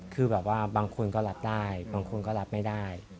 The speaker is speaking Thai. คือแบบว่าบางคนก็รับได้บางคนก็รับไม่ได้